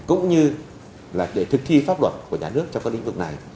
cũng như là để thực thi pháp luật của nhà nước trong các lĩnh vực này